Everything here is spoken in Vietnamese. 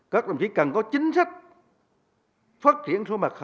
các đồng chí cần có chính sách phát triển số mặt